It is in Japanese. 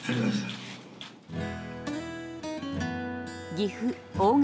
岐阜・大垣